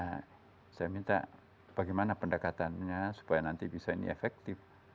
nah saya minta bagaimana pendekatannya supaya nanti bisa ini efektif